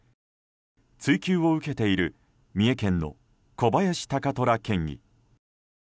追及を受けている三重県の小林貴虎県議。